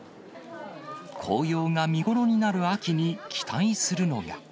紅葉が見頃になる秋に、期待するのが。